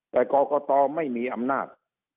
แต่กรกตไม่มีอำนาจ